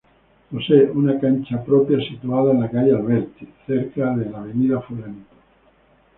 Posee una cancha propia situada en la calle Alberti entre la Av.